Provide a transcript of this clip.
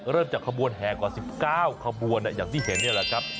จากขบวนแห่กว่า๑๙ขบวนอย่างที่เห็นนี่แหละครับ